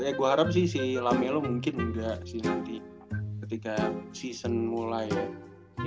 ya gua harap sih si lamelo mungkin gak sih nanti ketika season mulai ya